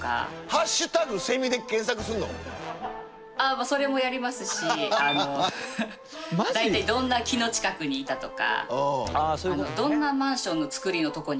まあそれもやりますし大体どんな木の近くにいたとかどんなマンションの造りのとこにいるとか。